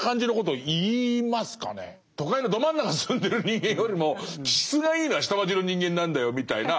都会のど真ん中住んでる人間よりも気質がいいのは下町の人間なんだよみたいな。